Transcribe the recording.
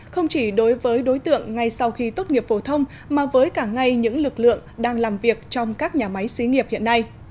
không chỉ đối với đối tượng ngay sau khi tốt nghiệp phổ thông mà với cả ngay những lực lượng đang làm việc trong các nhà máy xí nghiệp hiện nay